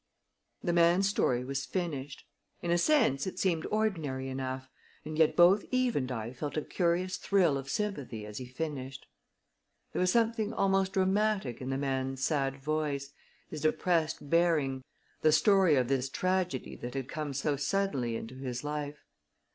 The man's story was finished. In a sense it seemed ordinary enough, and yet both Eve and I felt a curious thrill of sympathy as he finished. There was something almost dramatic in the man's sad voice, his depressed bearing, the story of this tragedy that had come so suddenly into his life.